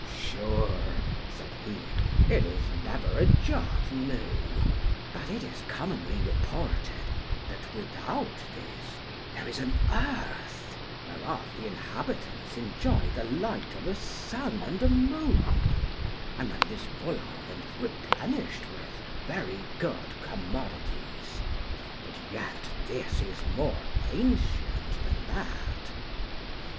Sure, said he, it is never a jot new, but it is commonly reported that, without this, there is an earth, whereof the inhabitants enjoy the light of a sun and a moon, and that it is full of and replenished with very good commodities; but yet this is more ancient than that.